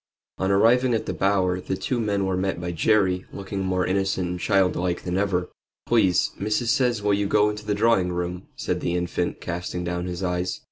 On arriving at the Bower the two men were met by Jerry, looking more innocent and child like than ever. "Please, missus says will you go into the drawing room?" said the infant, casting down his eyes.